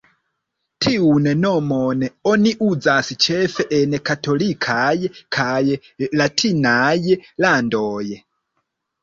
Tiun nomon oni uzas ĉefe en katolikaj kaj latinaj landoj.